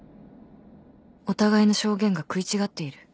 お互いの証言が食い違っている